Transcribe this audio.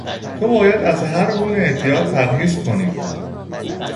تو باید از هر گونه اعتیاد پرهیز کنی